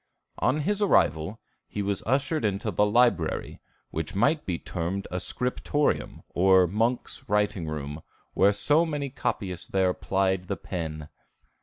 On his arrival he was ushered into the library, which might be termed a scriptorium, or monks' writing room, so many copyists there plied the pen.